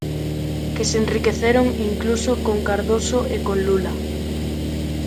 Que se enriqueceron, incluso, con Cardoso e con Lula.